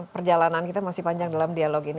perjalanan kita masih panjang dalam dialog ini